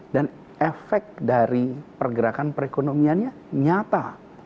dan efek dari pergerakan perekonomiannya nyata